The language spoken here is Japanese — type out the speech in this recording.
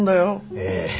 ええ。